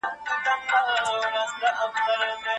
ما مخکي د سبا لپاره د نوټونو يادونه کړې وه.